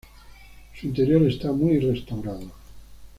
Su interior está muy restaurado.